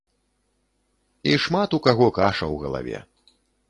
І шмат у каго каша ў галаве.